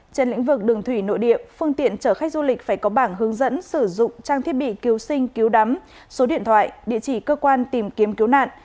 trên lĩnh vực đường thủy nội địa phương tiện chở khách du lịch phải có bảng hướng dẫn sử dụng trang thiết bị cứu sinh cứu đắm số điện thoại địa chỉ cơ quan tìm kiếm cứu nạn